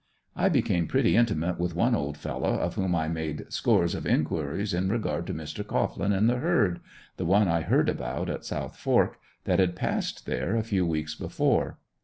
I became pretty intimate with one old fellow of whom I made scores of inquiries in regard to Mr. Cohglin and the herd the one I heard about at South Fork that had passed there a few weeks before.